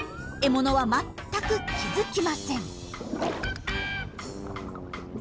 獲物は全く気付きません。